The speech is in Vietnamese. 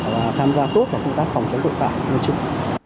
và tham gia tốt vào công tác phòng chống tội phạm của chúng